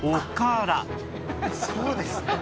そうですね